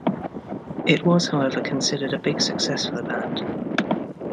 It was however considered a big success for the band.